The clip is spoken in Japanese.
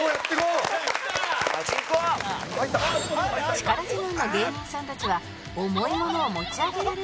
力自慢の芸人さんたちは重いものを持ち上げられるかクイズ